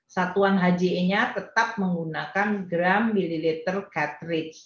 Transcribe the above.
satuan hge nya tetap menggunakan gram mililiter cartridge